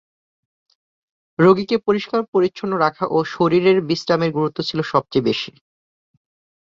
রোগীকে পরিষ্কার পরিচ্ছন্ন রাখা ও শরীরের বিশ্রামের গুরুত্ব ছিল সবচেয়ে বেশি।